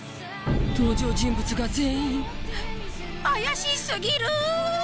登場人物が全員怪し過ぎる！